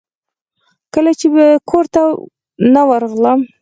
کله چې به کورته نه ورغلم.